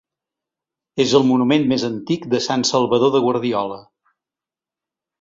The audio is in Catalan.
És el monument més antic de Sant Salvador de Guardiola.